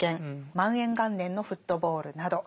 「万延元年のフットボール」など。